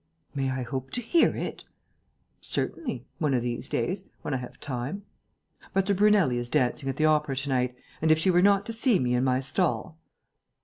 "May I hope to hear it?" "Certainly ... one of these days ... when I have time.... But the Brunelli is dancing at the Opera to night; and, if she were not to see me in my stall